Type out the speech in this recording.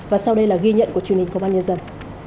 và sau đây là ghi nhận của truyền hình công an nhân dân